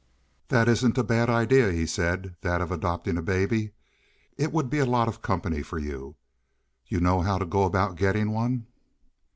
"That isn't a bad idea," he said, "that of adopting a baby. It would be a lot of company for you. You know how to go about getting one?"